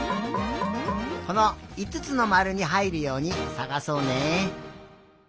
このいつつのまるにはいるようにさがそうね。